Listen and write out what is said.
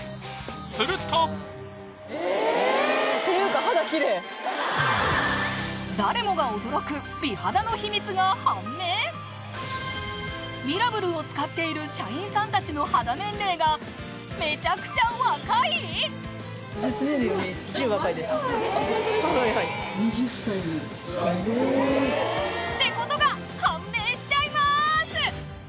すると誰もが驚くミラブルを使っている社員さんたちの肌年齢がめちゃくちゃ若い⁉ってことが判明しちゃいます